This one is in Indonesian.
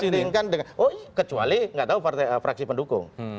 dibandingkan dengan oh iya kecuali nggak tahu fraksi pendukung